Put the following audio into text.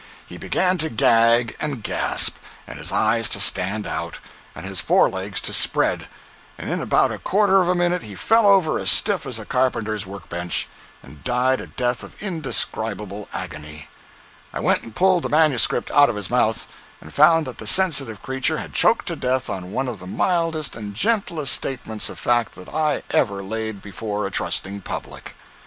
He began to gag and gasp, and his eyes to stand out, and his forelegs to spread, and in about a quarter of a minute he fell over as stiff as a carpenter's work bench, and died a death of indescribable agony. I went and pulled the manuscript out of his mouth, and found that the sensitive creature had choked to death on one of the mildest and gentlest statements of fact that I ever laid before a trusting public.